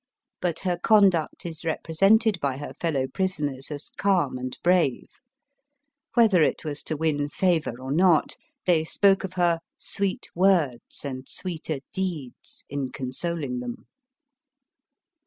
But her conduct is represented by her fellow prisoners as calm and brave; whether it was to win favor or not, they spoke of her "sweet words and sweeter deeds," in consoling them.